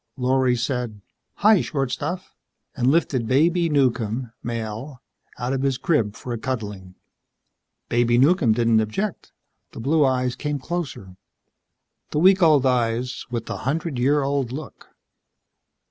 Lorry said. "Hi, short stuff," and lifted Baby Newcomb Male, out of his crib for a cuddling. Baby Newcomb didn't object. The blue eyes came closer. The week old eyes with the hundred year old look.